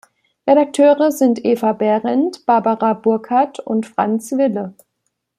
Redakteure sind Eva Behrendt, Barbara Burckhardt und Franz Wille.